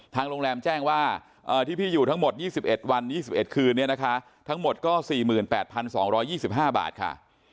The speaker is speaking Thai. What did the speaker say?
โรงแรมแจ้งว่าที่พี่อยู่ทั้งหมด๒๑วัน๒๑คืนเนี่ยนะคะทั้งหมดก็๔๘๒๒๕บาทค่ะ